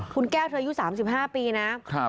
คุณแก้วเธออายุ๓๕ปีนะ